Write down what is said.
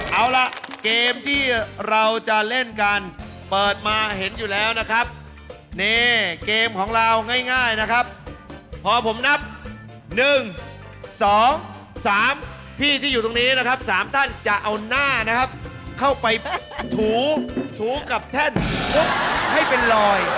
เอาล่ะเกมที่เราจะเล่นกันเปิดมาเห็นอยู่แล้วนะครับนี่เกมของเราง่ายนะครับพอผมนับ๑๒๓พี่ที่อยู่ตรงนี้นะครับ๓ท่านจะเอาหน้านะครับเข้าไปถูกับแท่นมุกให้เป็นลอย